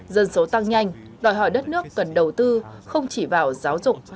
dân số tăng nhanh đòi hỏi đất nước cần đầu tư không chỉ vào giáo dục